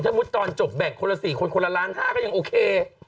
มุติตอนจบแบ่งคนละ๔คนคนละล้าน๕ก็ยังโอเค